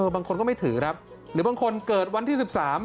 บางคนก็ไม่ถือครับหรือบางคนเกิดวันที่๑๓